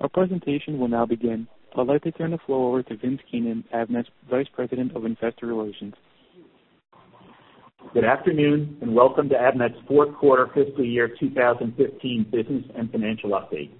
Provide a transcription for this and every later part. Our presentation will now begin. I'd like to turn the floor over to Vince Keenan, Avnet's Vice President of Investor Relations. Good afternoon, and welcome to Avnet's fourth quarter fiscal year 2015 business and financial update.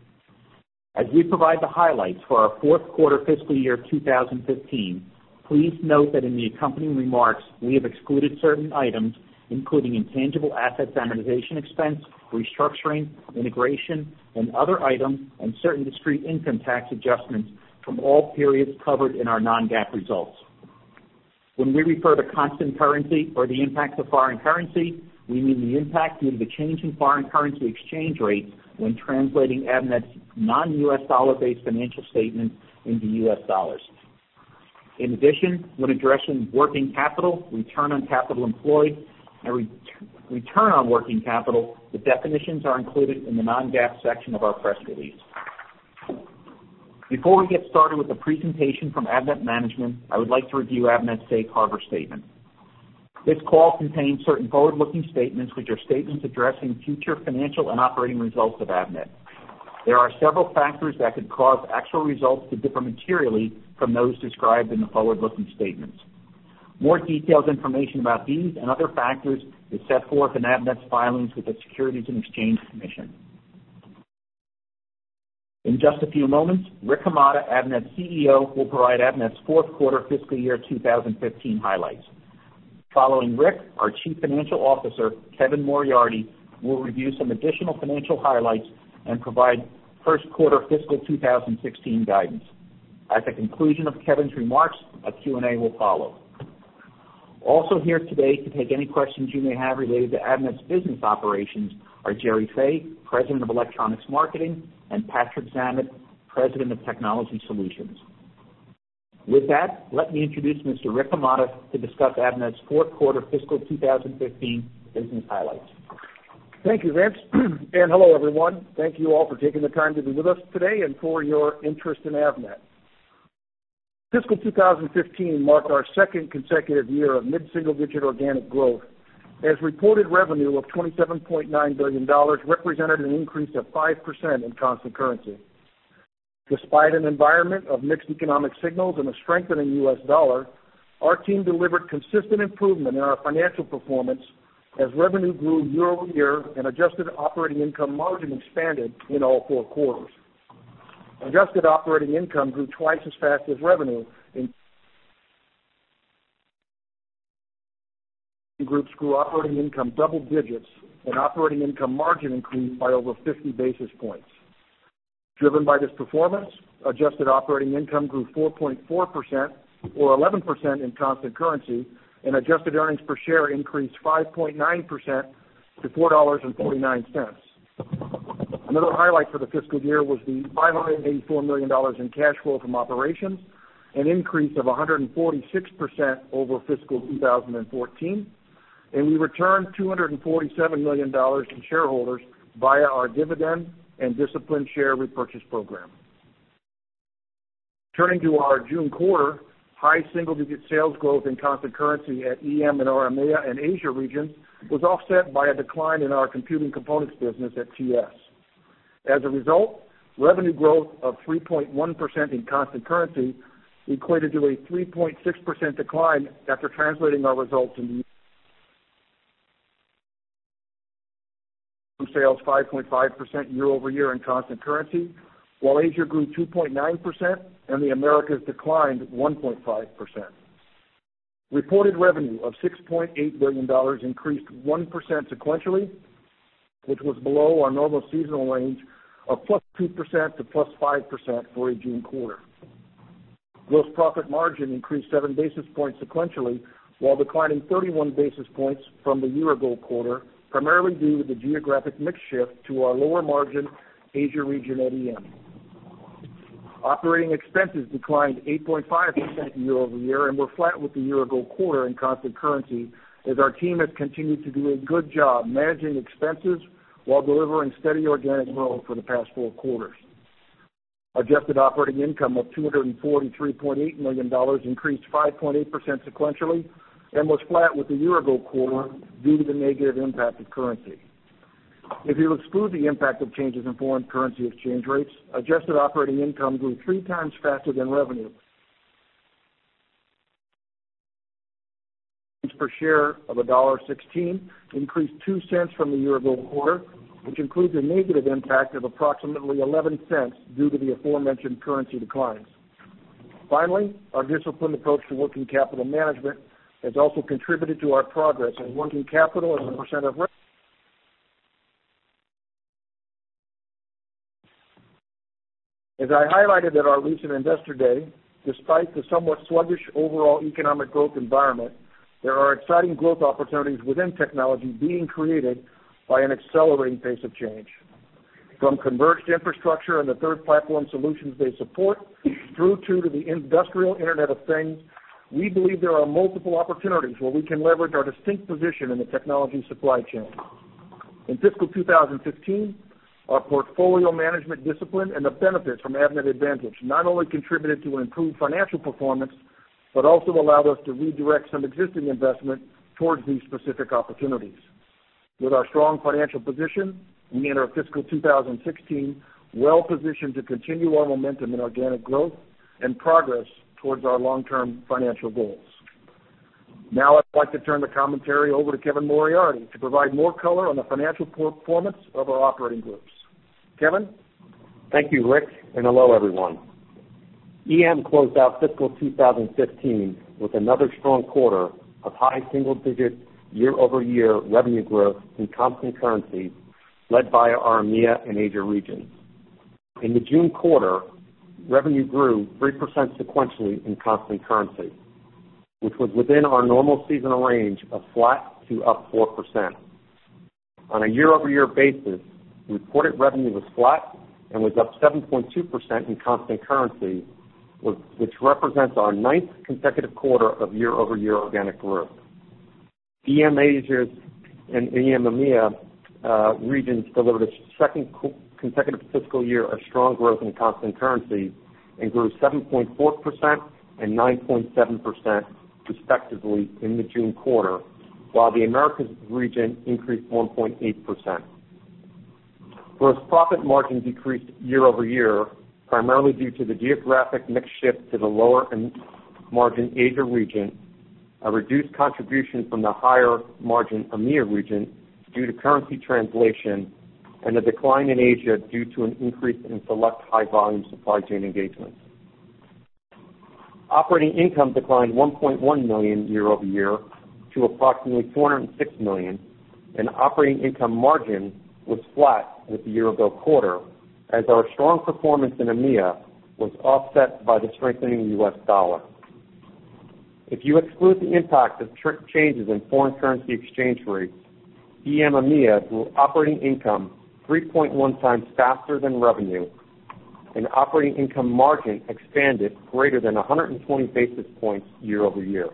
As we provide the highlights for our fourth quarter fiscal year 2015, please note that in the accompanying remarks, we have excluded certain items, including intangible asset amortization expense, restructuring, integration, and other items, and certain discrete income tax adjustments from all periods covered in our non-GAAP results. When we refer to constant currency or the impact of foreign currency, we mean the impact due to the change in foreign currency exchange rates when translating Avnet's non-U.S. dollar-based financial statements into U.S. dollars. In addition, when addressing working capital, return on capital employed, and return on working capital, the definitions are included in the non-GAAP section of our press release. Before we get started with the presentation from Avnet management, I would like to review Avnet's safe harbor statement. This call contains certain forward-looking statements, which are statements addressing future financial and operating results of Avnet. There are several factors that could cause actual results to differ materially from those described in the forward-looking statements. More detailed information about these and other factors is set forth in Avnet's filings with the Securities and Exchange Commission. In just a few moments, Rick Hamada, Avnet's CEO, will provide Avnet's fourth quarter fiscal year 2015 highlights. Following Rick, our Chief Financial Officer, Kevin Moriarty, will review some additional financial highlights and provide first quarter fiscal 2016 guidance. At the conclusion of Kevin's remarks, a Q&A will follow. Also here today to take any questions you may have related to Avnet's business operations are Gerry Fay, President of Electronics Marketing, and Patrick Zammit, President of Technology Solutions. With that, let me introduce Mr. Rick Hamada to discuss Avnet's fourth quarter fiscal 2015 business highlights. Thank you, Vince. Hello, everyone. Thank you all for taking the time to be with us today and for your interest in Avnet. Fiscal 2015 marked our second consecutive year of mid-single-digit organic growth, as reported revenue of $27.9 billion represented an increase of 5% in constant currency. Despite an environment of mixed economic signals and a strengthening U.S. dollar, our team delivered consistent improvement in our financial performance as revenue grew year-over-year and adjusted operating income margin expanded in all four quarters. Adjusted operating income grew twice as fast as revenue in... groups grew operating income double digits, and operating income margin increased by over 50 basis points. Driven by this performance, adjusted operating income grew 4.4% or 11% in constant currency, and adjusted earnings per share increased 5.9% to $4.49. Another highlight for the fiscal year was the $584 million in cash flow from operations, an increase of 146% over fiscal 2014, and we returned $247 million to shareholders via our dividend and disciplined share repurchase program. Turning to our June quarter, high single-digit sales growth in constant currency at EM and EMEA and Asia region was offset by a decline in our computing components business at TS. As a result, revenue growth of 3.1% in constant currency equated to a 3.6% decline after translating our results in the EM sales, 5.5% year-over-year in constant currency, while Asia grew 2.9% and the Americas declined 1.5%. Reported revenue of $6.8 billion increased 1% sequentially, which was below our normal seasonal range of +2% to +5% for a June quarter. Gross profit margin increased 7 basis points sequentially, while declining 31 basis points from the year-ago quarter, primarily due to the geographic mix shift to our lower-margin Asia region at EM. Operating expenses declined 8.5% year-over-year and were flat with the year-ago quarter in constant currency, as our team has continued to do a good job managing expenses while delivering steady organic growth for the past four quarters. Adjusted operating income of $243.8 million increased 5.8% sequentially and was flat with the year-ago quarter due to the negative impact of currency. If you exclude the impact of changes in foreign currency exchange rates, adjusted operating income grew three times faster than revenue. Per share of $1.16 increased $0.02 from the year-ago quarter, which includes a negative impact of approximately $0.11 due to the aforementioned currency declines. Finally, our disciplined approach to working capital management has also contributed to our progress, and working capital as a percent of revenue. As I highlighted at our recent Investor Day, despite the somewhat sluggish overall economic growth environment, there are exciting growth opportunities within technology being created by an accelerating pace of change. From converged infrastructure and the Third Platform solutions they support, through to, to the Industrial Internet of Things, we believe there are multiple opportunities where we can leverage our distinct position in the technology supply chain. In fiscal 2015, our portfolio management discipline and the benefits from Avnet Advantage not only contributed to improved financial performance, but also allowed us to redirect some existing investment towards these specific opportunities.... With our strong financial position, we enter fiscal 2016, well-positioned to continue our momentum in organic growth and progress towards our long-term financial goals. Now, I'd like to turn the commentary over to Kevin Moriarty to provide more color on the financial performance of our operating groups. Kevin? Thank you, Rick, and hello, everyone. EM closed out fiscal 2015 with another strong quarter of high single-digit year-over-year revenue growth in constant currency, led by our EMEA and Asia regions. In the June quarter, revenue grew 3% sequentially in constant currency, which was within our normal seasonal range of flat to up 4%. On a year-over-year basis, reported revenue was flat and was up 7.2% in constant currency, which represents our ninth consecutive quarter of year-over-year organic growth. EM Asia and EM EMEA regions delivered a second consecutive fiscal year of strong growth in constant currency and grew 7.4% and 9.7%, respectively, in the June quarter, while the Americas region increased 1.8%. Gross profit margin decreased year-over-year, primarily due to the geographic mix shift to the lower margin Asia region, a reduced contribution from the higher margin EMEA region due to currency translation, and a decline in Asia due to an increase in select high-volume supply chain engagements. Operating income declined $1.1 million year-over-year to approximately $406 million, and operating income margin was flat with the year ago quarter, as our strong performance in EMEA was offset by the strengthening U.S. dollar. If you exclude the impact of changes in foreign currency exchange rates, EM EMEA grew operating income 3.1x faster than revenue, and operating income margin expanded greater than 120 basis points year-over-year.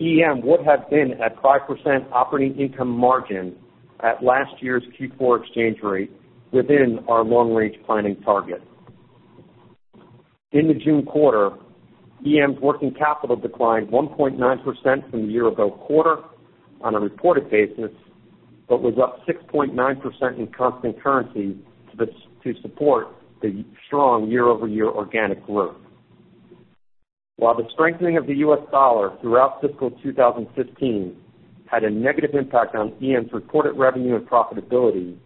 EM would have been at 5% operating income margin at last year's Q4 exchange rate within our long-range planning target. In the June quarter, EM's working capital declined 1.9% from the year ago quarter on a reported basis, but was up 6.9% in constant currency to support the strong year-over-year organic growth. While the strengthening of the U.S. dollar throughout fiscal 2015 had a negative impact on EM's reported revenue and profitability,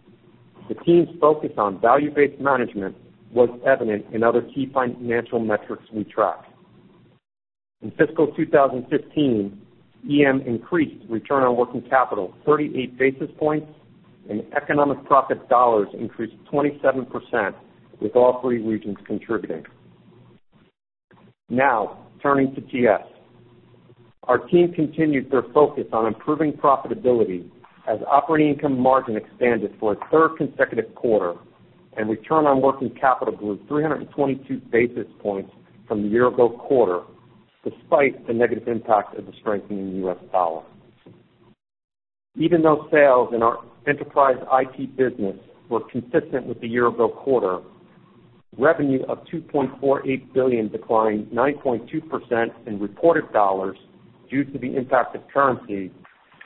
the team's focus on value-based management was evident in other key financial metrics we track. In fiscal 2015, EM increased return on working capital 38 basis points, and economic profit dollars increased 27%, with all three regions contributing. Now, turning to TS. Our team continued their focus on improving profitability as operating income margin expanded for a third consecutive quarter, and return on working capital grew 322 basis points from the year ago quarter, despite the negative impact of the strengthening U.S. dollar. Even though sales in our enterprise IT business were consistent with the year ago quarter, revenue of $2.48 billion declined 9.2% in reported dollars due to the impact of currency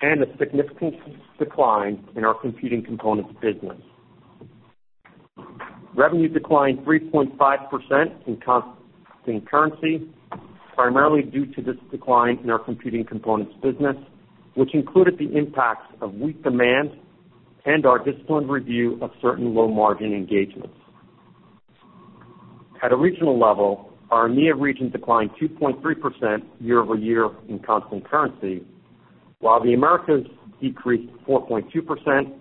and a significant decline in our computing components business. Revenue declined 3.5% in constant currency, primarily due to this decline in our computing components business, which included the impacts of weak demand and our disciplined review of certain low-margin engagements. At a regional level, our EMEA region declined 2.3% year-over-year in constant currency, while the Americas decreased 4.2%,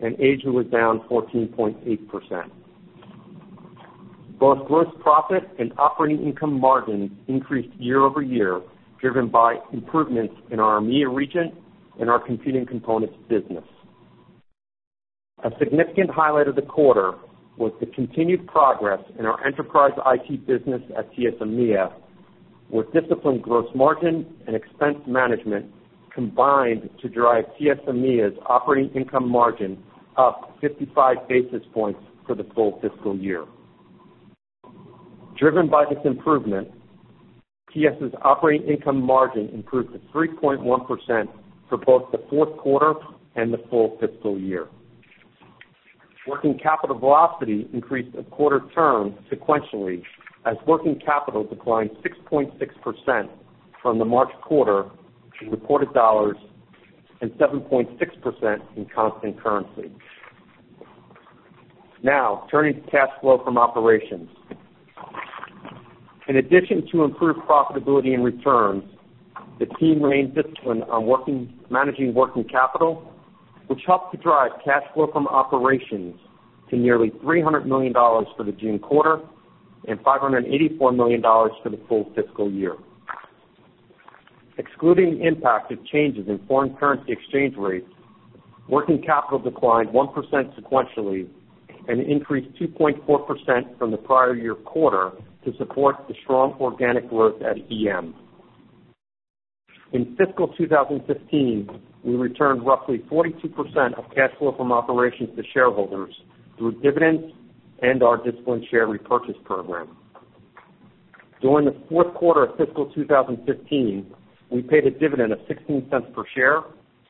and Asia was down 14.8%. Both gross profit and operating income margin increased year-over-year, driven by improvements in our EMEA region and our computing components business. A significant highlight of the quarter was the continued progress in our enterprise IT business at TS EMEA, where disciplined gross margin and expense management combined to drive TS EMEA's operating income margin up 55 basis points for the full fiscal year. Driven by this improvement, TS's operating income margin improved to 3.1% for both the fourth quarter and the full fiscal year. Working capital velocity increased a quarter turn sequentially, as working capital declined 6.6% from the March quarter in reported dollars and 7.6% in constant currency. Now, turning to cash flow from operations. In addition to improved profitability and returns, the team remained disciplined on managing working capital, which helped to drive cash flow from operations to nearly $300 million for the June quarter and $584 million for the full fiscal year. Excluding the impact of changes in foreign currency exchange rates, working capital declined 1% sequentially and increased 2.4% from the prior year quarter to support the strong organic growth at EM. In fiscal 2015, we returned roughly 42% of cash flow from operations to shareholders through dividends and our disciplined share repurchase program. During the fourth quarter of fiscal 2015, we paid a dividend of $0.16 per share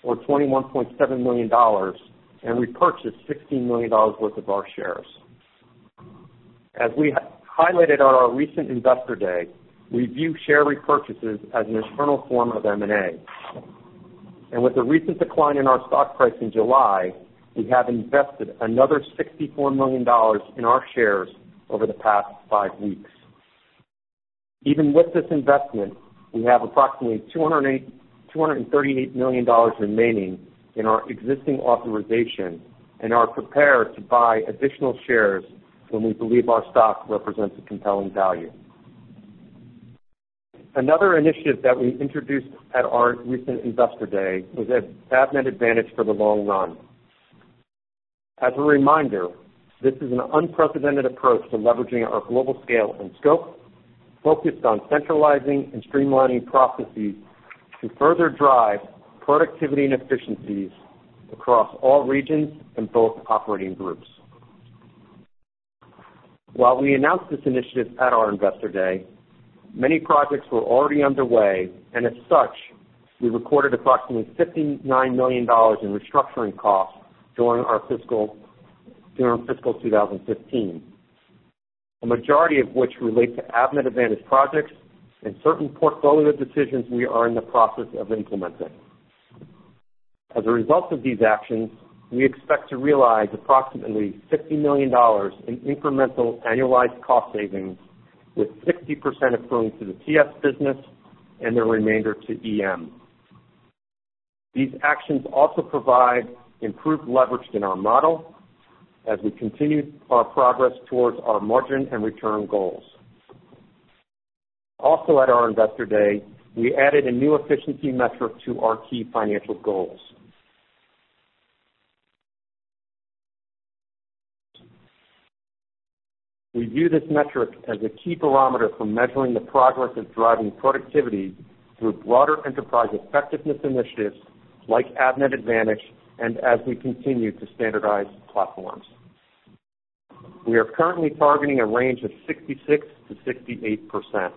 or $21.7 million, and we purchased $16 million worth of our shares. As we highlighted on our recent Investor Day, we view share repurchases as an internal form of M&A. With the recent decline in our stock price in July, we have invested another $64 million in our shares over the past five weeks. Even with this investment, we have approximately 238 million dollars remaining in our existing authorization and are prepared to buy additional shares when we believe our stock represents a compelling value. Another initiative that we introduced at our recent Investor Day was Avnet Advantage for the long run. As a reminder, this is an unprecedented approach to leveraging our global scale and scope, focused on centralizing and streamlining processes to further drive productivity and efficiencies across all regions and both operating groups. While we announced this initiative at our Investor Day, many projects were already underway, and as such, we recorded approximately $59 million in restructuring costs during fiscal 2015, a majority of which relate to Avnet Advantage projects and certain portfolio decisions we are in the process of implementing. As a result of these actions, we expect to realize approximately $50 million in incremental annualized cost savings, with 60% accruing to the TS business and the remainder to EM. These actions also provide improved leverage in our model as we continue our progress towards our margin and return goals. Also, at our Investor Day, we added a new efficiency metric to our key financial goals. We view this metric as a key barometer for measuring the progress of driving productivity through broader enterprise effectiveness initiatives like Avnet Advantage and as we continue to standardize platforms. We are currently targeting a range of 66%-68%.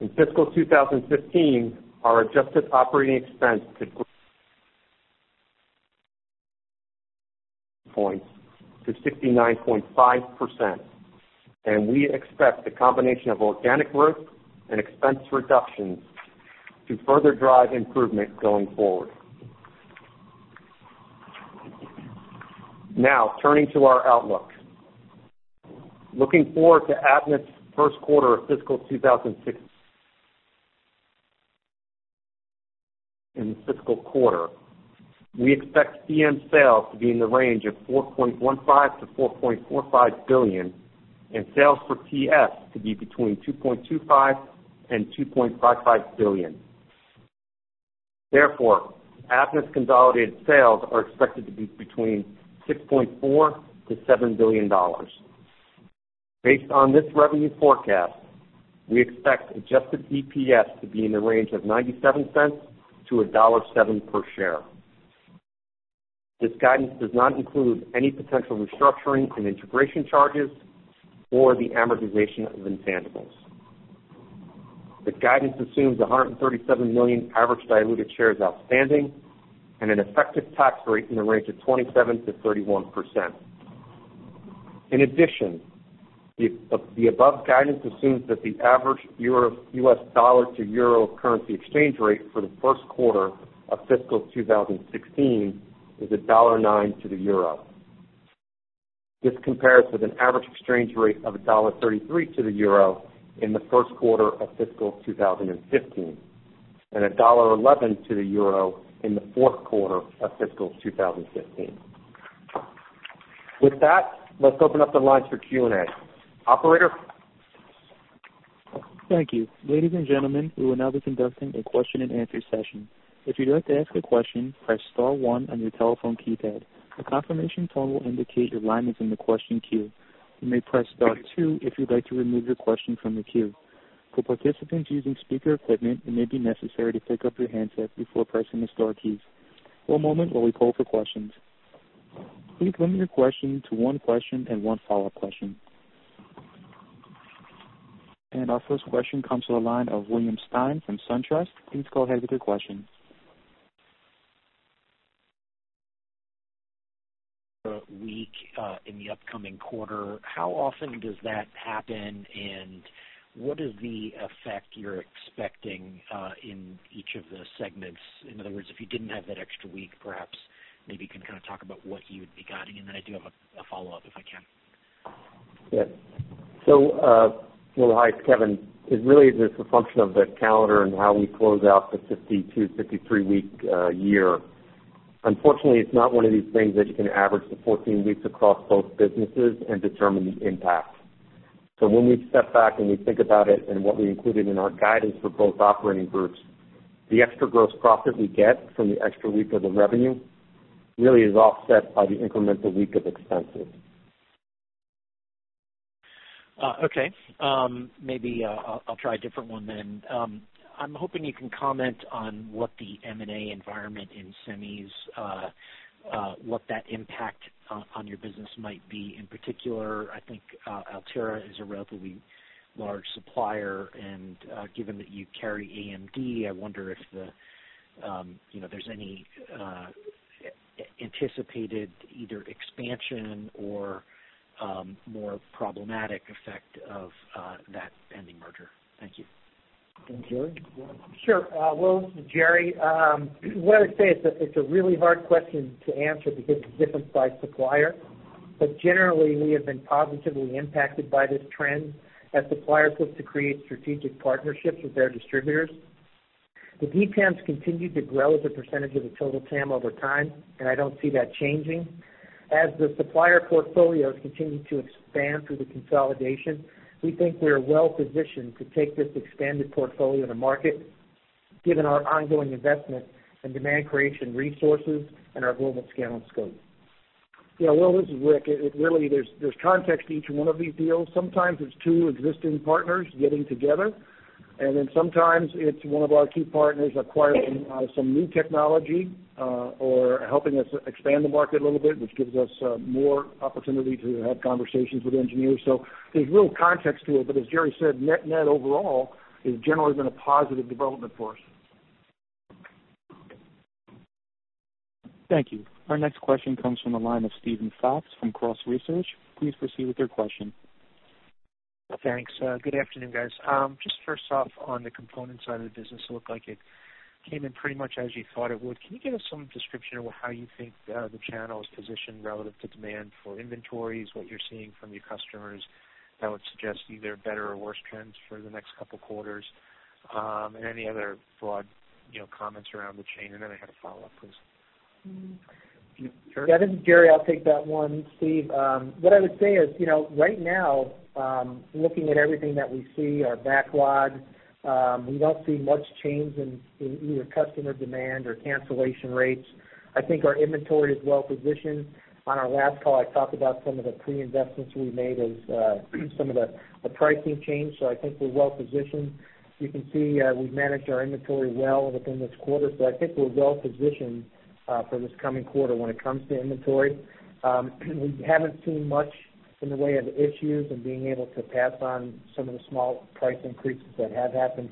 In fiscal 2015, our adjusted operating expense decreased points to 69.5%, and we expect the combination of organic growth and expense reductions to further drive improvement going forward. Now, turning to our outlook. Looking forward to Avnet's first quarter of fiscal 2016- in the fiscal quarter, we expect EM sales to be in the range of $4.15 billion-$4.45 billion, and sales for TS to be between $2.25 billion and $2.55 billion. Therefore, Avnet's consolidated sales are expected to be between $6.4 billion-$7 billion. Based on this revenue forecast, we expect adjusted EPS to be in the range of $0.97-$1.07 per share. This guidance does not include any potential restructuring and integration charges or the amortization of intangibles. The guidance assumes 137 million average diluted shares outstanding and an effective tax rate in the range of 27%-31%. In addition, the above guidance assumes that the average U.S. dollar to euro currency exchange rate for the first quarter of fiscal 2016 is $1.09 to the euro. This compares with an average exchange rate of $1.33 to the euro in the first quarter of fiscal 2015, and $1.11 to the euro in the fourth quarter of fiscal 2015. With that, let's open up the lines for Q&A. Operator? Thank you. Ladies and gentlemen, we will now be conducting a question-and-answer session. If you'd like to ask a question, press star one on your telephone keypad. A confirmation tone will indicate your line is in the question queue. You may press star two if you'd like to remove your question from the queue. For participants using speaker equipment, it may be necessary to pick up your handset before pressing the star keys. One moment while we poll for questions. Please limit your question to one question and one follow-up question. Our first question comes to the line of William Stein from SunTrust. Please go ahead with your question. A week in the upcoming quarter, how often does that happen? And what is the effect you're expecting in each of the segments? In other words, if you didn't have that extra week, perhaps maybe you can kind of talk about what you would be guiding, and then I do have a follow-up, if I can. Yes. So, well, hi, Kevin. It really is just a function of the calendar and how we close out the 52, 53 week, year. Unfortunately, it's not one of these things that you can average the 14 weeks across both businesses and determine the impact. So when we step back and we think about it and what we included in our guidance for both operating groups, the extra gross profit we get from the extra week of the revenue really is offset by the incremental week of expenses. Okay. Maybe I'll try a different one then. I'm hoping you can comment on what the M&A environment in semis, what that impact on your business might be. In particular, I think Altera is a relatively large supplier, and given that you carry AMD, I wonder if the-... you know, is there any anticipated either expansion or more problematic effect of that pending merger? Thank you. Gerry, go on. Sure, Will, Gerry, what I'd say is that it's a really hard question to answer because it's different by supplier. But generally, we have been positively impacted by this trend, as suppliers look to create strategic partnerships with their distributors. The DTAMs continue to grow as a percentage of the total TAM over time, and I don't see that changing. As the supplier portfolios continue to expand through the consolidation, we think we are well positioned to take this expanded portfolio to market, given our ongoing investment and demand creation resources, and our global scale and scope. Yeah, Will, this is Rick. It really, there's context to each one of these deals. Sometimes it's two existing partners getting together, and then sometimes it's one of our key partners acquiring some new technology or helping us expand the market a little bit, which gives us more opportunity to have conversations with engineers. So there's real context to it, but as Gerry said, net-net overall, it's generally been a positive development for us. Thank you. Our next question comes from the line of Steven Fox from Cross Research. Please proceed with your question. Thanks, good afternoon, guys. Just first off, on the component side of the business, it looked like it came in pretty much as you thought it would. Can you give us some description of how you think, the channel is positioned relative to demand for inventories, what you're seeing from your customers that would suggest either better or worse trends for the next couple quarters? And any other broad, you know, comments around the chain, and then I had a follow-up, please. Yeah, this is Gerry, I'll take that one, Steve. What I would say is, you know, right now, looking at everything that we see, our backlog, we don't see much change in either customer demand or cancellation rates. I think our inventory is well positioned. On our last call, I talked about some of the pre-investments we made as some of the pricing changes, so I think we're well positioned. You can see, we've managed our inventory well within this quarter, so I think we're well positioned for this coming quarter when it comes to inventory. We haven't seen much in the way of issues and being able to pass on some of the small price increases that have happened.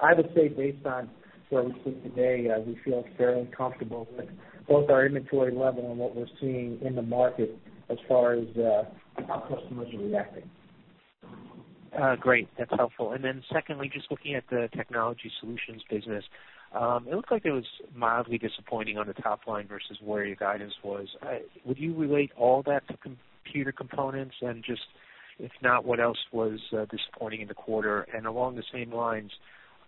I would say based on where we sit today, we feel fairly comfortable with both our inventory level and what we're seeing in the market as far as how customers are reacting. Great. That's helpful. Then secondly, just looking at the Technology Solutions business, it looked like it was mildly disappointing on the top line versus where your guidance was. Would you relate all that to computer components? And just, if not, what else was disappointing in the quarter? And along the same lines,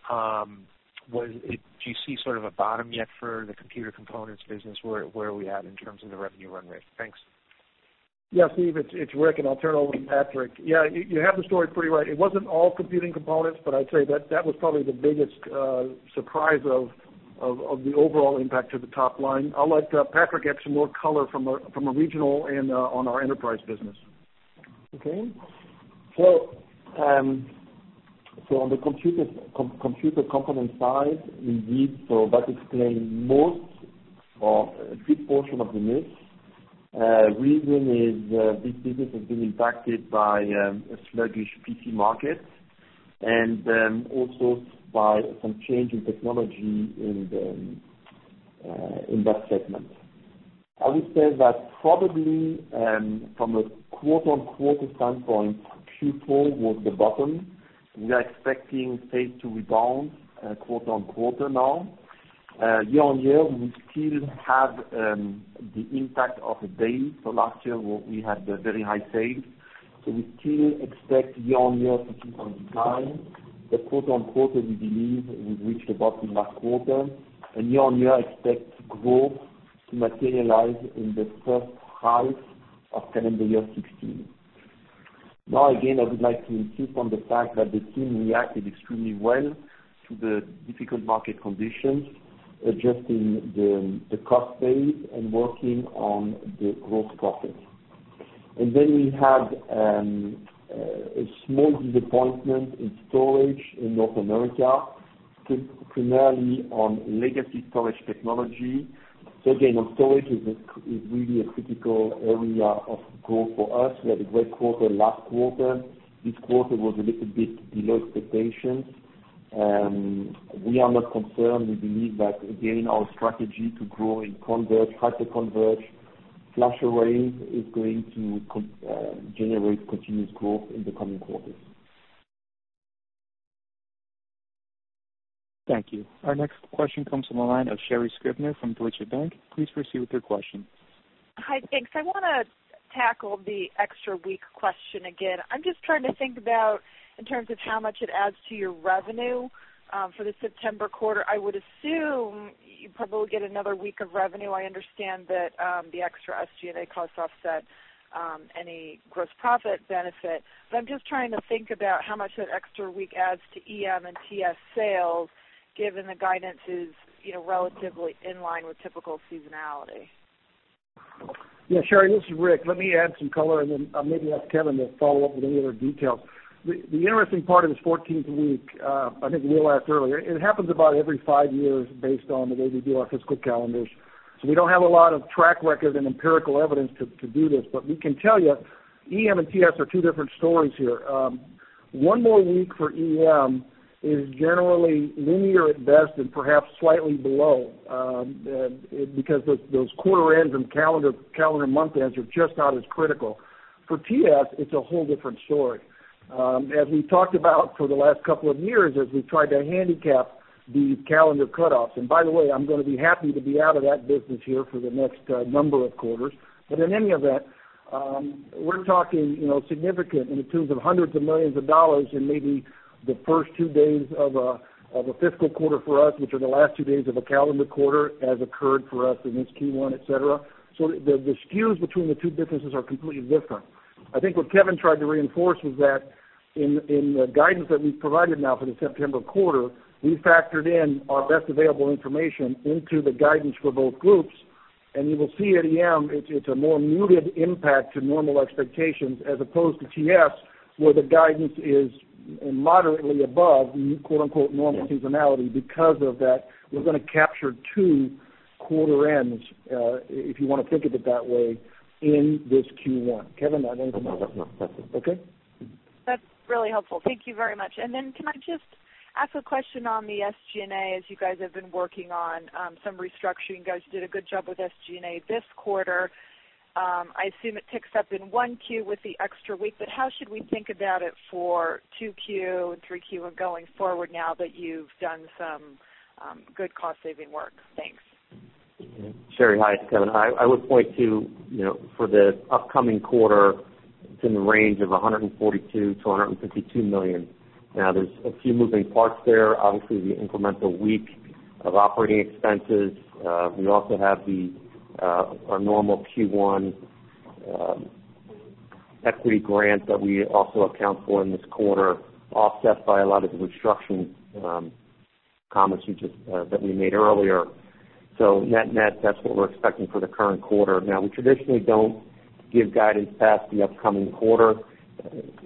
do you see sort of a bottom yet for the computer components business? Where are we at in terms of the revenue run rate? Thanks. Yeah, Steve, it's, it's Rick, and I'll turn it over to Patrick. Yeah, you, you have the story pretty right. It wasn't all computing components, but I'd say that, that was probably the biggest surprise of the overall impact to the top line. I'll let Patrick add some more color from a regional and on our enterprise business. Okay. So on the computer component side, indeed, so that explained most or a good portion of the miss. Reason is, this business has been impacted by a sluggish PC market, and also by some change in technology in that segment. I would say that probably from a quarter-on-quarter standpoint, Q4 was the bottom. We are expecting sales to rebound quarter on quarter now. Year on year, we still have the impact of the base, so last year, where we had the very high sales. So we still expect year-on-year to keep on decline, but quarter on quarter, we believe we've reached the bottom last quarter, and year on year, expect growth to materialize in the first half of calendar year 2016. Now, again, I would like to insist on the fact that the team reacted extremely well to the difficult market conditions, adjusting the cost base and working on the gross profit. Then we had a small disappointment in storage in North America, primarily on legacy storage technology. So again, on storage is really a critical area of growth for us. We had a great quarter last quarter. This quarter was a little bit below expectations, and we are not concerned. We believe that, again, our strategy to grow in converged, hyper-converged, flash arrays is going to generate continuous growth in the coming quarters. Thank you. Our next question comes from the line of Sherri Scribner from Deutsche Bank. Please proceed with your question. Hi, thanks. I wanna tackle the extra week question again. I'm just trying to think about, in terms of how much it adds to your revenue, for the September quarter. I understand that, the extra SG&A costs offset, any gross profit benefit, but I'm just trying to think about how much that extra week adds to EM and TS sales, given the guidance is, you know, relatively in line with typical seasonality. Yeah, Sherri, this is Rick. Let me add some color, and then I'll maybe ask Kevin to follow up with any other details. The interesting part of this 14th week, I think we all asked earlier, it happens about every five years based on the way we do our fiscal calendars, so we don't have a lot of track record and empirical evidence to do this. But we can tell you, EM and TS are two different stories here. One more week for EM is generally linear at best and perhaps slightly below, because those quarter ends and calendar month ends are just not as critical. For TS, it's a whole different story. As we talked about for the last couple of years, as we've tried to handicap the calendar cutoffs, and by the way, I'm gonna be happy to be out of that business here for the next number of quarters. But in any event, we're talking, you know, significant in the terms of hundreds of millions U.S. dollars in maybe the first two days of a fiscal quarter for us, which are the last two days of a calendar quarter, as occurred for us in this Q1, etc. So the skews between the two businesses are completely different. I think what Kevin tried to reinforce was that in the guidance that we've provided now for the September quarter, we factored in our best available information into the guidance for both groups. You will see at EM, it's a more muted impact to normal expectations, as opposed to TS, where the guidance is moderately above, quote, unquote, "normal seasonality," because of that, we're gonna capture two quarter ends, if you wanna think of it that way, in this Q1. Kevin, I don't know. Okay? That's really helpful. Thank you very much. Then can I just ask a question on the SG&A, as you guys have been working on some restructuring? You guys did a good job with SG&A this quarter. I assume it ticks up in 1Q with the extra week, but how should we think about it for 2Q and 3Q and going forward now that you've done some good cost saving work? Thanks. Sherri, hi, it's Kevin. I would point to, you know, for the upcoming quarter, it's in the range of $142 million-$152 million. Now, there's a few moving parts there. Obviously, the incremental week of operating expenses. We also have the our normal Q1 equity grant that we also account for in this quarter, offset by a lot of the restructuring comments you just that we made earlier. So net-net, that's what we're expecting for the current quarter. Now, we traditionally don't give guidance past the upcoming quarter,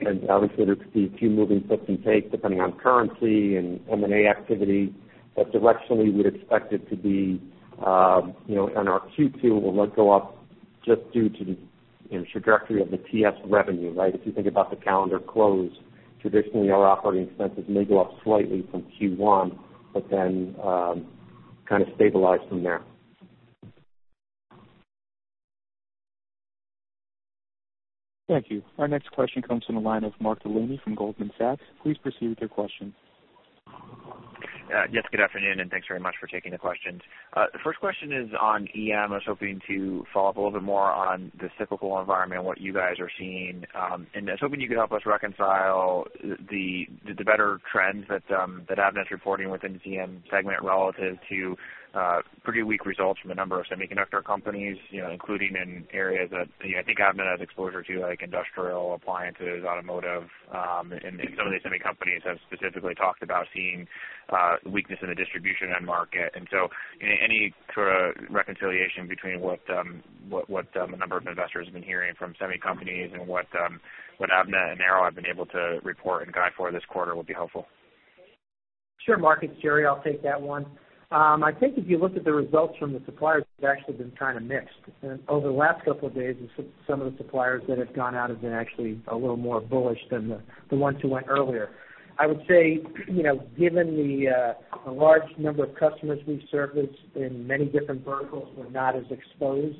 and obviously, there could be a few moving gives and takes, depending on currency and M&A activity. But directionally, we'd expect it to be, you know, and our Q2 will go up just due to the, you know, trajectory of the TS revenue, right? If you think about the calendar close, traditionally, our operating expenses may go up slightly from Q1, but then, kind of stabilize from there. Thank you. Our next question comes from the line of Mark Delaney from Goldman Sachs. Please proceed with your question. Yes, good afternoon, and thanks very much for taking the questions. The first question is on EM. I was hoping to follow up a little bit more on the cyclical environment and what you guys are seeing, and I was hoping you could help us reconcile the better trends that Avnet's reporting within the EM segment relative to pretty weak results from a number of semiconductor companies, you know, including in areas that, you know. I think Avnet has exposure to, like industrial, appliances, automotive, and some of the semi companies have specifically talked about seeing weakness in the distribution end market. And so any sort of reconciliation between what a number of investors have been hearing from semi companies and what Avnet and Arrow have been able to report and guide for this quarter would be helpful. Sure, Mark, it's Gerry. I'll take that one. I think if you look at the results from the suppliers, it's actually been kind of mixed. And over the last couple of days, some of the suppliers that have gone out have been actually a little more bullish than the ones who went earlier. I would say, you know, given the large number of customers we've serviced in many different verticals, we're not as exposed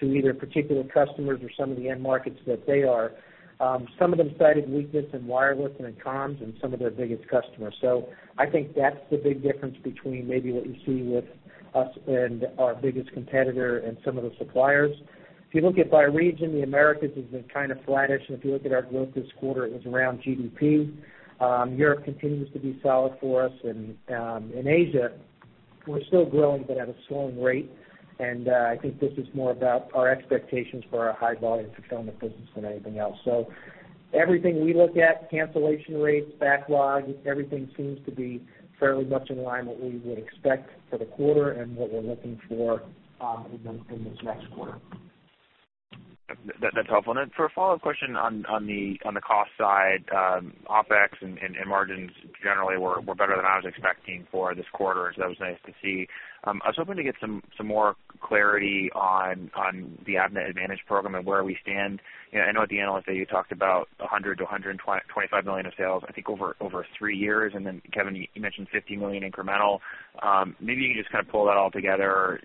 to either particular customers or some of the end markets that they are. Some of them cited weakness in wireless and in comms and some of their biggest customers. So I think that's the big difference between maybe what you see with us and our biggest competitor and some of the suppliers. If you look at by region, the Americas has been kind of flattish, and if you look at our growth this quarter, it was around GDP. Europe continues to be solid for us, and, in Asia, we're still growing but at a slowing rate. And, I think this is more about our expectations for our high volume fulfillment business than anything else. So everything we look at, cancellation rates, backlog, everything seems to be fairly much in line what we would expect for the quarter and what we're looking for, in this next quarter. That's helpful. And then for a follow-up question on the cost side, OpEx and margins generally were better than I was expecting for this quarter, so that was nice to see. I was hoping to get some more clarity on the Avnet Advantage program and where we stand. You know, I know at the analyst day, you talked about $100 million-$125 million of sales, I think, over three years. And then, Kevin, you mentioned $50 million incremental. Maybe you can just kind of pull that all together.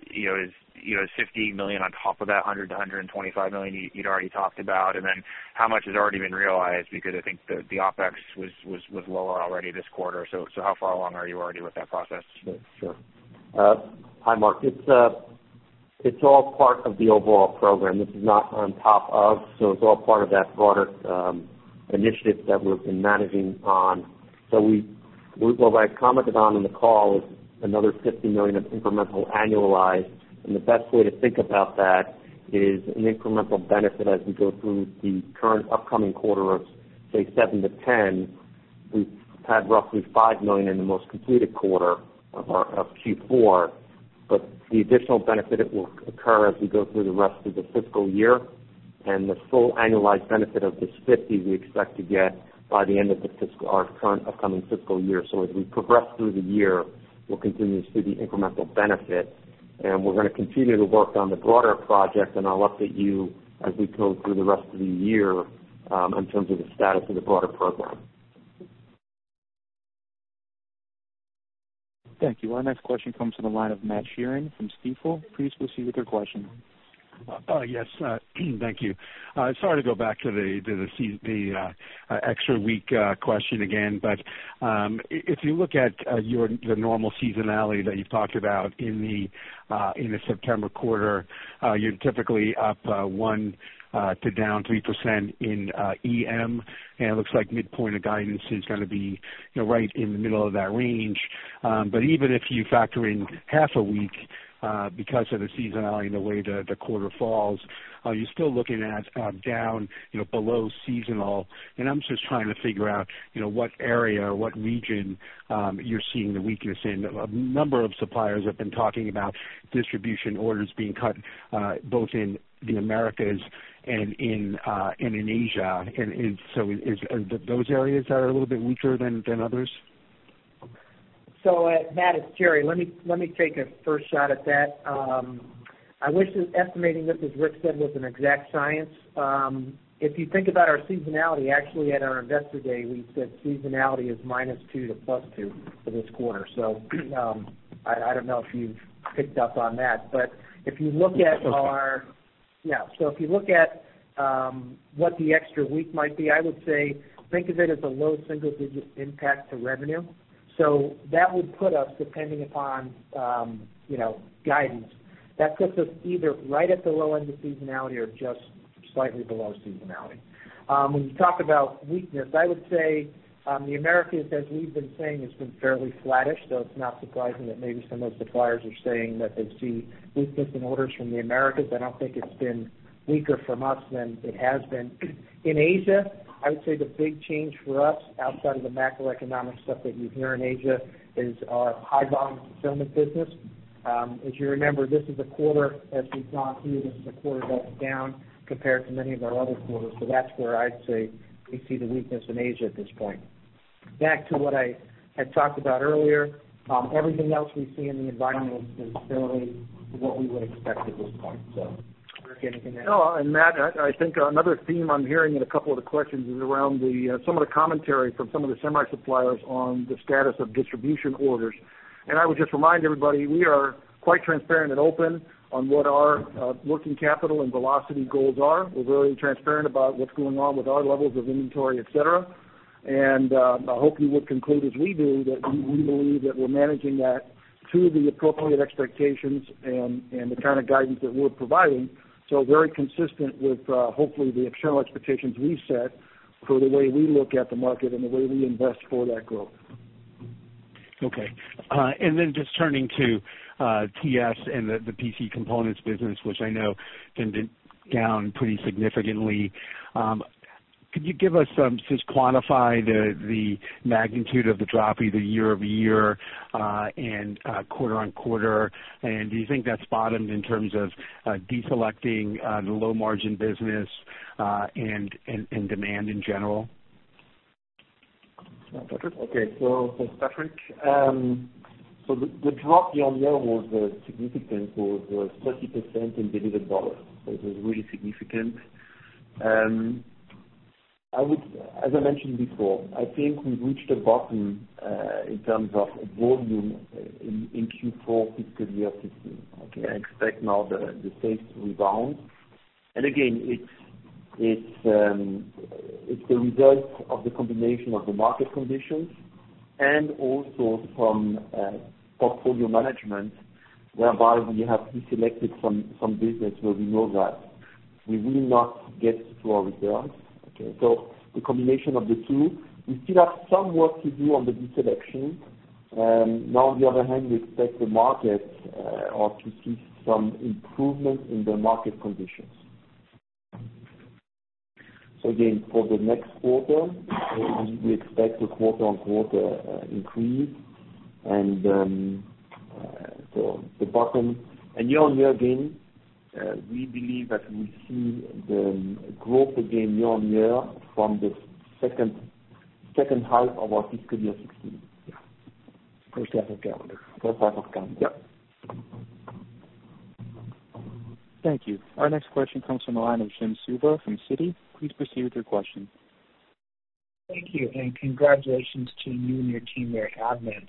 You know, is $50 million on top of that $100 million-$125 million you'd already talked about? And then how much has already been realized? Because I think the OpEx was lower already this quarter, so how far along are you already with that process? Sure. Sure. Hi, Mark. It's all part of the overall program. This is not on top of, so it's all part of that broader initiative that we've been managing on. So what I commented on in the call is another $50 million of incremental annualized, and the best way to think about that is an incremental benefit as we go through the current upcoming quarter of, say, $7 million-$10 million. We've had roughly $5 million in the most completed quarter of our Q4, but the additional benefit, it will occur as we go through the rest of the fiscal year. And the full annualized benefit of this $50 million, we expect to get by the end of the fiscal, our current upcoming fiscal year. So as we progress through the year, we'll continue to see the incremental benefit, and we're gonna continue to work on the broader project, and I'll update you as we go through the rest of the year, in terms of the status of the broader program. Thank you. Our next question comes from the line of Matt Sheerin from Stifel. Please proceed with your question. Yes, thank you. Sorry to go back to the extra week question again, but if you look at your the normal seasonality that you talked about in the September quarter, you're typically up 1% to down 3% in EM, and it looks like midpoint of guidance is gonna be, you know, right in the middle of that range. But even if you factor in half a week, because of the seasonality and the way the quarter falls, are you still looking at down, you know, below seasonal? And I'm just trying to figure out, you know, what area or what region you're seeing the weakness in. A number of suppliers have been talking about distribution orders being cut, both in the Americas and in Asia. And so are those areas a little bit weaker than others? So, Matt, it's Gerry. Let me take a first shot at that. I wish estimating this, as Rick said, was an exact science. If you think about our seasonality, actually, at our investor day, we said seasonality is -2-+2 for this quarter. So, I don't know if you've picked up on that. But if you look at our. Yeah. So if you look at what the extra week might be, I would say, think of it as a low single digit impact to revenue. So that would put us, depending upon, you know, guidance, that puts us either right at the low end of seasonality or just slightly below seasonality. When you talk about weakness, I would say, the Americas, as we've been saying, has been fairly flattish, so it's not surprising that maybe some of the suppliers are saying that they see weakness in orders from the Americas. I don't think it's been weaker from us than it has been. In Asia, I would say the big change for us, outside of the macroeconomic stuff that you hear in Asia, is our high volume fulfillment business. If you remember, this is a quarter, as we've gone through, this is a quarter that's down compared to many of our other quarters. So that's where I'd say we see the weakness in Asia at this point. Back to what I had talked about earlier, everything else we see in the environment is fairly what we would expect at this point. So Rick, anything to add? No. And Matt, I think another theme I'm hearing in a couple of the questions is around the some of the commentary from some of the semi suppliers on the status of distribution orders. And I would just remind everybody, we are quite transparent and open on what our working capital and velocity goals are. We're very transparent about what's going on with our levels of inventory, etc. And I hope you would conclude, as we do, that we believe that we're managing that to the appropriate expectations and the kind of guidance that we're providing. So very consistent with hopefully the external expectations we set for the way we look at the market and the way we invest for that growth. Okay. And then just turning to TS and the PC components business, which I know has been down pretty significantly. Could you give us some, just quantify the magnitude of the drop either year-over-year and quarter-on-quarter? And do you think that's bottomed in terms of deselecting the low margin business and demand in general? Patrick? Okay. So, Patrick. So the drop year-on-year was significant, was 30% in delivered dollars. So it was really significant. I would, as I mentioned before, I think we've reached a bottom in terms of volume in Q4 fiscal year 2016. Okay, I expect now the same rebound. And again, it's the result of the combination of the market conditions and also from portfolio management, whereby we have deselected some business where we know that we will not get to our results, okay? So the combination of the two. We still have some work to do on the deselection. Now on the other hand, we expect the markets to see some improvement in the market conditions. So again, for the next quarter, we expect the quarter-on-quarter increase. So the bottom, and year-over-year, again, we believe that we see the growth again year-over-year from the second half of our fiscal year 2016. First half of calendar. First half of calendar. Yep. Thank you. Our next question comes from the line of Jim Suva from Citi. Please proceed with your question. Thank you, and congratulations to you and your team there at Avnet.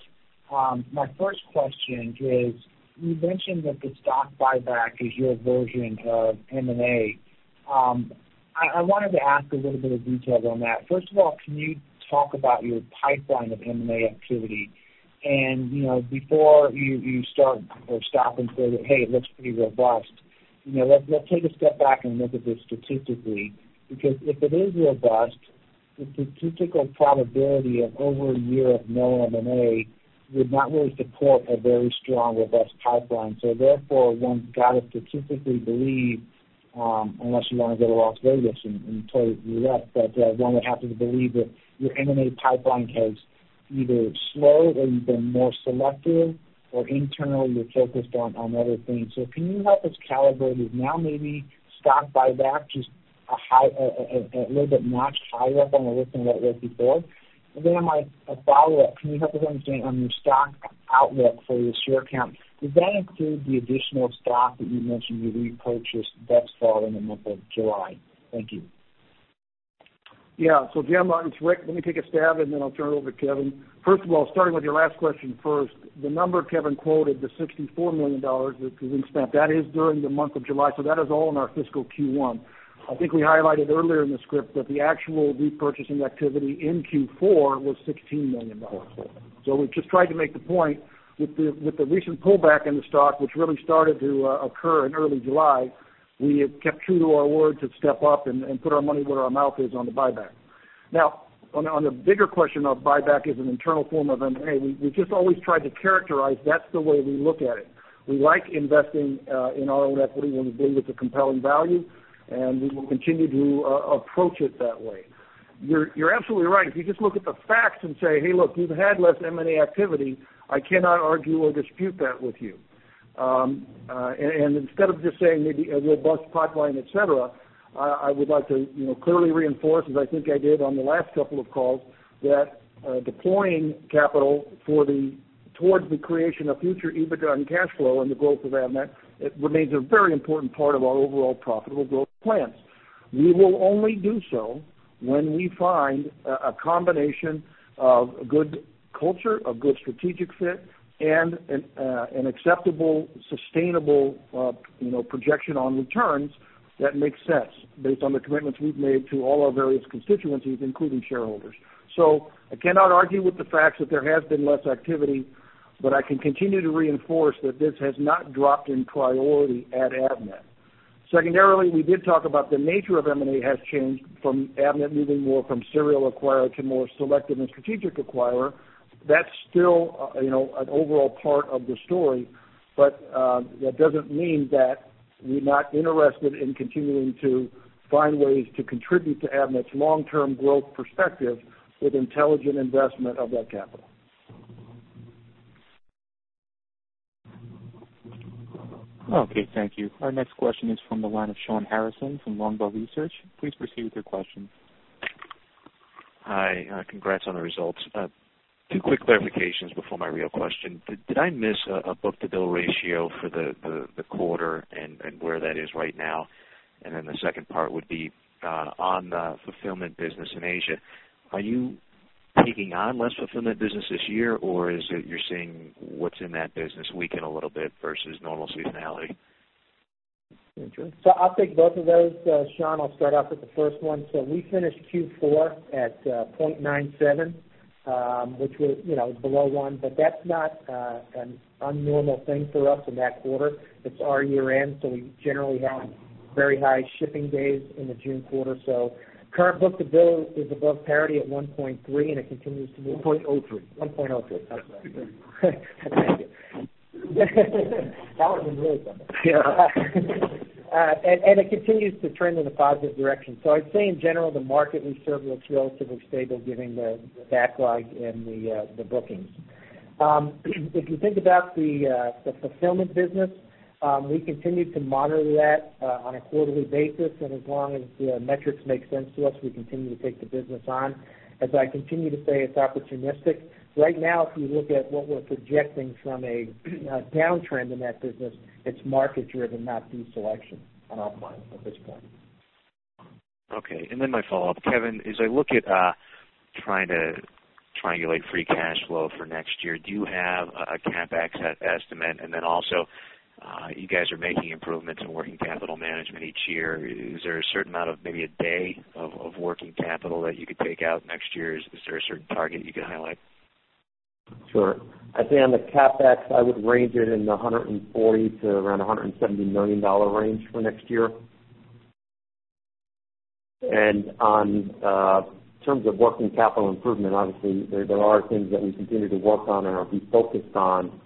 My first question is, you mentioned that the stock buyback is your version of M&A. I wanted to ask a little bit of detail on that. First of all, can you talk about your pipeline of M&A activity? And, you know, before you start or stop and say that, "Hey, it looks pretty robust," you know, let's take a step back and look at this statistically, because if it is robust, the statistical probability of over a year of no M&A would not really support a very strong, robust pipeline. So therefore, one's got to statistically believe, unless you want to go to Las Vegas and totally bet, but one would have to believe that your M&A pipeline has either slowed or you've been more selective, or internally, you're focused on other things. So can you help us calibrate if now maybe stock buyback is a high, a little bit notched higher up on the list than that was before. And then my follow-up, can you help us understand on your stock outlook for your share count, does that include the additional stock that you mentioned you repurchased that fall in the month of July? Thank you. Yeah. So Jim, it's Rick, let me take a stab, and then I'll turn it over to Kevin. First of all, starting with your last question first, the number Kevin quoted, the $64 million that we spent, that is during the month of July, so that is all in our fiscal Q1. I think we highlighted earlier in the script that the actual repurchasing activity in Q4 was $16 million. So we've just tried to make the point with the recent pullback in the stock, which really started to occur in early July, we have kept true to our word to step up and put our money where our mouth is on the buyback. Now, on the bigger question of buyback as an internal form of M&A, we just always tried to characterize that's the way we look at it. We like investing in our own equity when we believe it's a compelling value, and we will continue to approach it that way. You're absolutely right. If you just look at the facts and say, "Hey, look, we've had less M&A activity," I cannot argue or dispute that with you. And instead of just saying maybe a robust pipeline, etc, I would like to, you know, clearly reinforce, as I think I did on the last couple of calls, that deploying capital towards the creation of future EBITDA and cash flow and the growth of Avnet, it remains a very important part of our overall profitable growth plans. We will only do so when we find a combination of good culture, a good strategic fit, and an acceptable, sustainable, you know, projection on returns that makes sense based on the commitments we've made to all our various constituencies, including shareholders. So I cannot argue with the facts that there has been less activity, but I can continue to reinforce that this has not dropped in priority at Avnet. Secondarily, we did talk about the nature of M&A has changed from Avnet moving more from serial acquirer to more selective and strategic acquirer. That's still, you know, an overall part of the story, but that doesn't mean that we're not interested in continuing to find ways to contribute to Avnet's long-term growth perspective with intelligent investment of that capital. Okay, thank you. Our next question is from the line of Shawn Harrison from Longbow Research. Please proceed with your question. Hi, congrats on the results. Two quick clarifications before my real question. Did I miss a book-to-bill ratio for the quarter and where that is right now? And then the second part would be on the fulfillment business in Asia, are you taking on less fulfillment business this year, or is it you're seeing what's in that business weaken a little bit versus normal seasonality? So I'll take both of those, Shawn. I'll start off with the first one. So we finished Q4 at point nine seven, which was, you know, below one, but that's not an abnormal thing for us in that quarter. It's our year-end, so we generally have very high shipping days in the June quarter. So current book-to-bill is above parity at one point three, and it continues to be- 1.03%. 1.03%. That's right. Thank you. That would have been really something. Yeah. And it continues to trend in a positive direction. So I'd say in general, the market we serve looks relatively stable given the backlog and the bookings. If you think about the fulfillment business, we continue to monitor that on a quarterly basis, and as long as the metrics make sense to us, we continue to take the business on. As I continue to say, it's opportunistic. Right now, if you look at what we're projecting from a downtrend in that business, it's market driven, not deselection on our client at this point. Okay, and then my follow-up, Kevin, as I look at trying to triangulate free cash flow for next year, do you have a CapEx estimate? And then also, you guys are making improvements in working capital management each year. Is there a certain amount of maybe a day of working capital that you could take out next year? Is there a certain target you can highlight? Sure. I'd say on the CapEx, I would range it in the $140 million-$170 million range for next year. On terms of working capital improvement, obviously, there are things that we continue to work on and are focused on,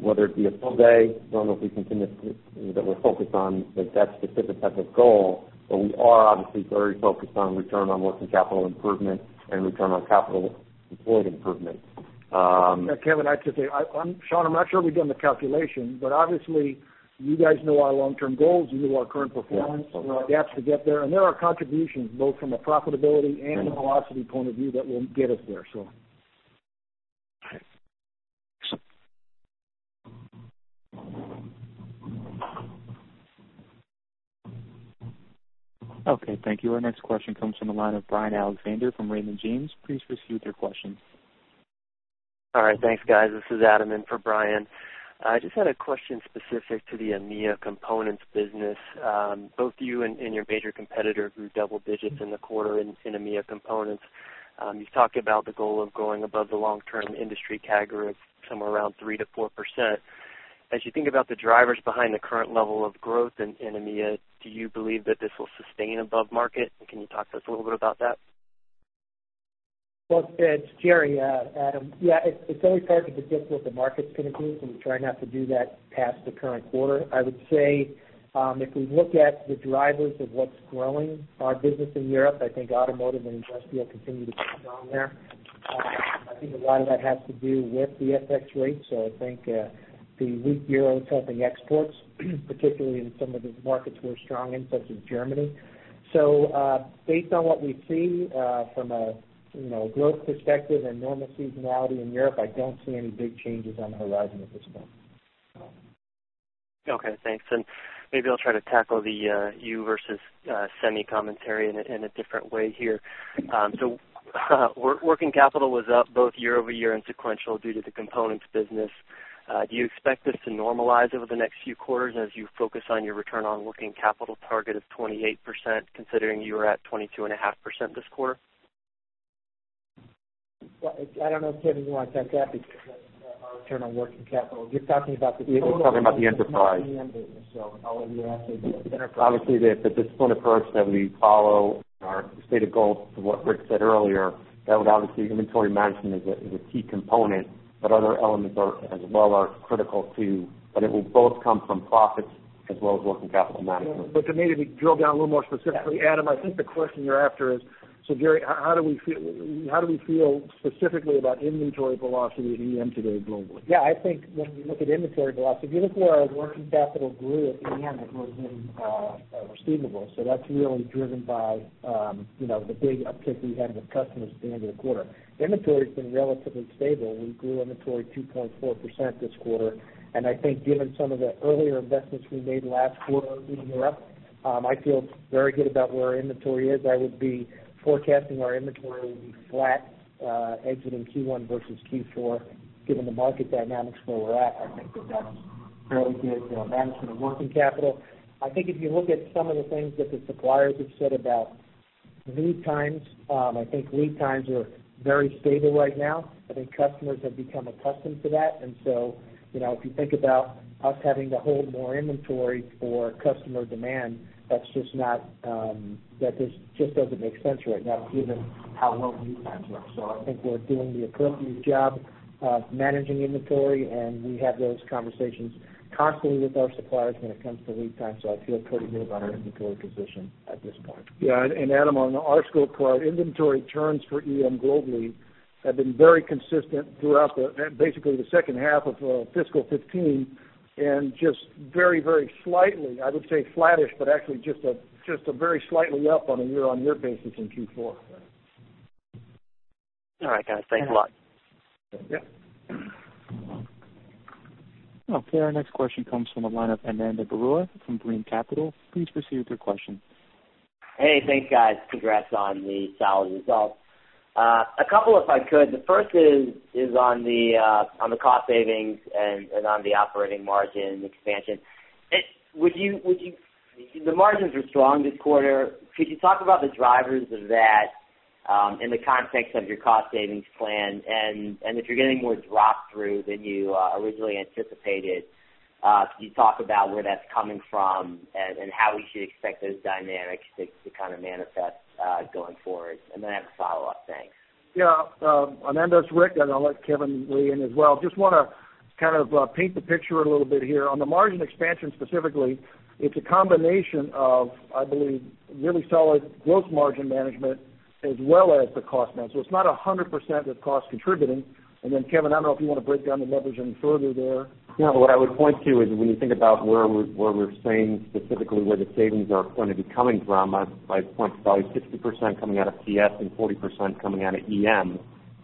whether it be a full day that we're focused on that specific type of goal, but we are obviously very focused on return on working capital improvement and return on capital employed improvement. Yeah, Kevin, I'd just say, I'm, Shawn, I'm not sure we've done the calculation, but obviously you guys know our long-term goals. You know our current performance, the gaps to get there, and there are contributions both from a profitability and a velocity point of view that will get us there, so. Okay. Okay, thank you. Our next question comes from the line of Brian Alexander from Raymond James. Please proceed with your question. All right, thanks, guys. This is Adam in for Brian. I just had a question specific to the EMEA components business. Both you and, and your major competitor grew double digits in the quarter in, in EMEA components. You've talked about the goal of growing above the long-term industry CAGR of somewhere around 3%-4%. As you think about the drivers behind the current level of growth in, in EMEA, do you believe that this will sustain above market? And can you talk to us a little bit about that? Well, it's Gerry, Adam. Yeah, it's always hard to predict what the market's gonna do, so we try not to do that past the current quarter. I would say, if we look at the drivers of what's growing our business in Europe, I think automotive and industrial continue to push on there. I think a lot of that has to do with the FX rates. So I think, the weak euro helping exports, particularly in some of the markets we're strong in, such as Germany. So, based on what we see, from a, you know, growth perspective and normal seasonality in Europe, I don't see any big changes on the horizon at this point. Okay, thanks. And maybe I'll try to tackle the you versus semi commentary in a different way here. So, working capital was up both year-over-year and sequential due to the components business. Do you expect this to normalize over the next few quarters as you focus on your return on working capital target of 28%, considering you were at 22.5% this quarter? Well, I don't know if, Kevin, you want to take that, because that's our return on working capital. You're talking about the total- We're talking about the enterprise. The EM business. So I'll let you answer the enterprise. Obviously, the disciplined approach that we follow, our stated goal to what Rick said earlier, that would obviously inventory management is a key component, but other elements are as well critical too. But it will both come from profits as well as working capital management. But to maybe drill down a little more specifically, Adam, I think the question you're after is, so Gerry, how do we feel, how do we feel specifically about inventory velocity at EM today globally? Yeah, I think when you look at inventory velocity, even though our working capital grew at the end, it was in receivables. So that's really driven by, you know, the big uptick we had with customers at the end of the quarter. Inventory's been relatively stable. We grew inventory 2.4% this quarter, and I think given some of the earlier investments we made last quarter in Europe, I feel very good about where our inventory is. I would be forecasting our inventory will be flat, exiting Q1 versus Q4, given the market dynamics where we're at. I think that that's fairly good, you know, management of working capital. I think if you look at some of the things that the suppliers have said about lead times, I think lead times are very stable right now. I think customers have become accustomed to that. And so, you know, if you think about us having to hold more inventory for customer demand, that's just not, that just doesn't make sense right now, given how well lead times are. So I think we're doing the appropriate job of managing inventory, and we have those conversations constantly with our suppliers when it comes to lead time. So I feel pretty good about our inventory position at this point. Yeah, and, and Adam, on our scope, our inventory turns for EM globally have been very consistent throughout the, basically the second half of, fiscal 2015, and just very, very slightly, I would say flattish, but actually just a, just a very slightly up on a year-over-year basis in Q4. All right, guys. Thanks a lot. Yeah. Okay, our next question comes from the line of Ananda Baruah from Brean Capital. Please proceed with your question. Hey, thanks, guys. Congrats on the solid results. A couple, if I could. The first is on the cost savings and on the operating margin expansion. The margins were strong this quarter. Could you talk about the drivers of that in the context of your cost savings plan? And if you're getting more drop through than you originally anticipated, could you talk about where that's coming from and how we should expect those dynamics to kind of manifest going forward? And then I have a follow-up. Thanks. Yeah. Ananda, it's Rick, and I'll let Kevin weigh in as well. Just wanna kind of paint the picture a little bit here. On the margin expansion specifically, it's a combination of, I believe, really solid gross margin management as well as the cost management. So it's not 100% of cost contributing. And then, Kevin, I don't know if you wanna break down the leverage any further there. Yeah. What I would point to is when you think about where we're saying, specifically, where the savings are going to be coming from. I'd point to probably 60% coming out of TS and 40% coming out of EM.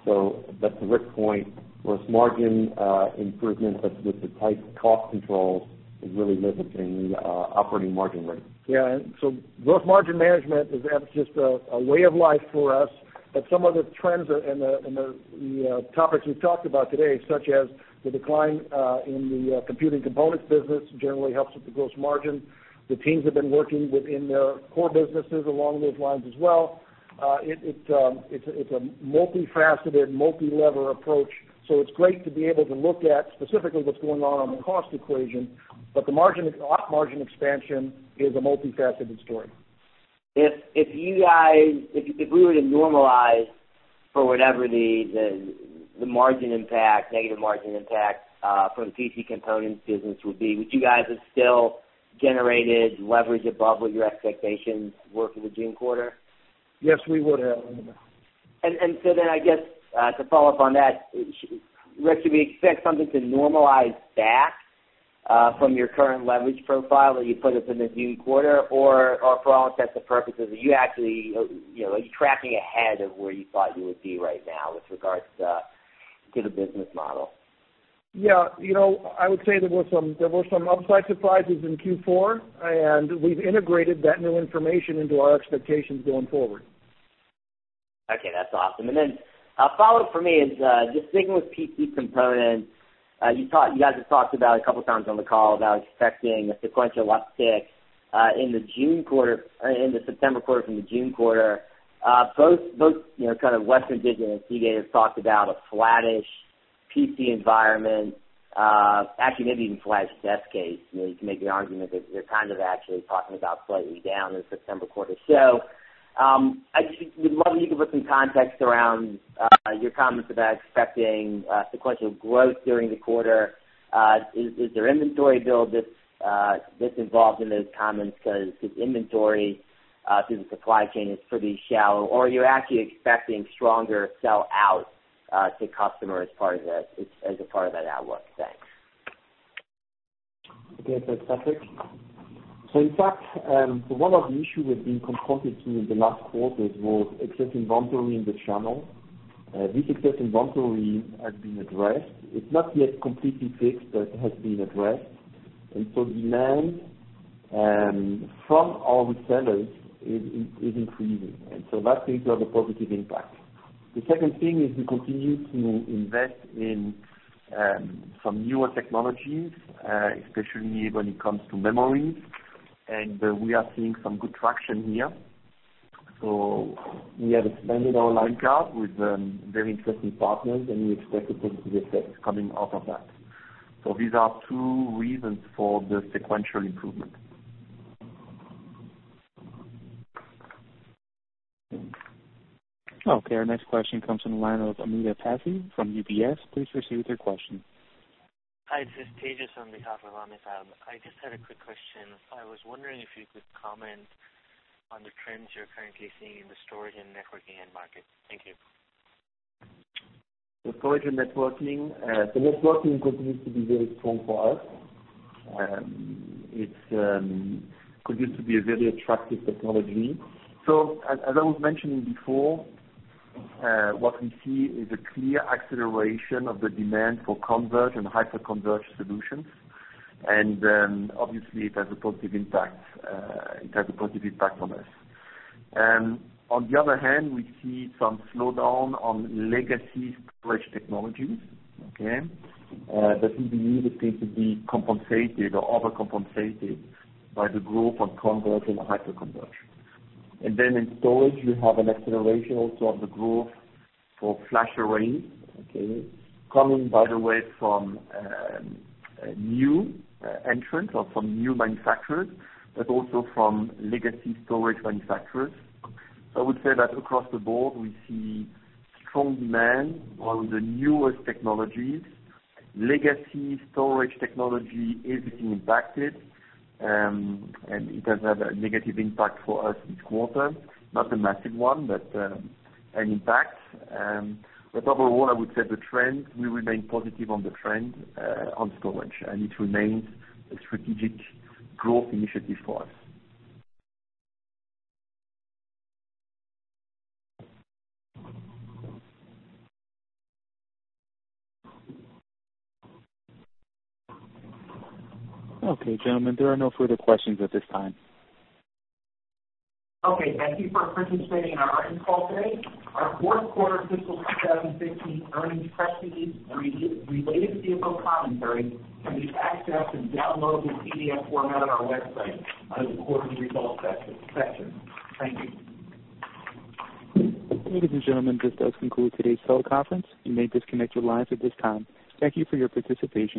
So back to Rick's point, gross margin improvement, but with the tight cost controls, is really lifting the operating margin rate. Yeah, and so gross margin management is, that's just a way of life for us. But some of the trends and topics we've talked about today, such as the decline in the computing components business, generally helps with the gross margin. The teams have been working within their core businesses along those lines as well. It’s a multifaceted, multilevel approach, so it's great to be able to look at specifically what's going on on the cost equation, but the margin, op margin expansion is a multifaceted story. If you guys—if we were to normalize for whatever the margin impact, negative margin impact, from the PC components business would be, would you guys have still generated leverage above what your expectations were for the June quarter? Yes, we would have. So then I guess to follow up on that, Rick, should we expect something to normalize back from your current leverage profile that you put up in the June quarter? Or for all intents and purposes, are you actually, you know, are you tracking ahead of where you thought you would be right now with regards to the business model? Yeah. You know, I would say there were some, there were some upside surprises in Q4, and we've integrated that new information into our expectations going forward. Okay, that's awesome. And then, a follow-up for me is, just sticking with PC components. You talked, you guys have talked about a couple times on the call about expecting a sequential uptick, in the June quarter, in the September quarter from the June quarter. Both, you know, kind of Western Digital and Seagate have talked about a flattish PC environment. Actually, maybe even flattish desktop space. You know, you can make the argument that they're kind of actually talking about slightly down in the September quarter. So, I just would love you to put some context around, your comments about expecting, sequential growth during the quarter. Is there inventory build that's involved in those comments? Because inventory, through the supply chain is pretty shallow. Or are you actually expecting stronger sell out to customers as part of that outlook? Thanks. Okay, so it's Patrick. So in fact, one of the issues we've been confronted to in the last quarter was excess inventory in the channel. This excess inventory has been addressed. It's not yet completely fixed, but it has been addressed. And so demand from all resellers is increasing, and so that seems to have a positive impact. The second thing is we continue to invest in some newer technologies, especially when it comes to memory. And we are seeing some good traction here. So we have expanded our line card with very interesting partners, and we expect to take the effects coming out of that. So these are two reasons for the sequential improvement. Okay, our next question comes from the line of Amitabh Passi from UBS. Please proceed with your question. Hi, this is Tejas on behalf of Amit. I just had a quick question. I was wondering if you could comment on the trends you're currently seeing in the storage and networking end market. Thank you. The storage and networking. The networking continues to be very strong for us. It's continues to be a very attractive technology. So as I was mentioning before, what we see is a clear acceleration of the demand for converged and hyper-converged solutions. And obviously it has a positive impact, it has a positive impact on us. On the other hand, we see some slowdown on legacy storage technologies, okay? But we believe it seems to be compensated or over-compensated by the growth on converged and hyper-converged. And then in storage, you have an acceleration also of the growth for flash array, okay? Coming, by the way, from new entrants or from new manufacturers, but also from legacy storage manufacturers. I would say that across the board, we see strong demand on the newest technologies. Legacy storage technology is being impacted, and it has had a negative impact for us this quarter. Not a massive one, but an impact. But overall, I would say the trend, we remain positive on the trend on storage, and it remains a strategic growth initiative for us. Okay, gentlemen, there are no further questions at this time. Okay, thank you for participating in our earnings call today. Our fourth quarter fiscal 2017 earnings press release and related CFO commentary can be accessed and downloaded in PDF format on our website, under the quarterly results section. Thank you. Ladies and gentlemen, this does conclude today's call conference. You may disconnect your lines at this time. Thank you for your participation.